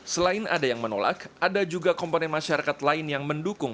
selain ada yang menolak ada juga komponen masyarakat lain yang mendukung